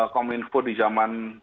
komunikasi di zaman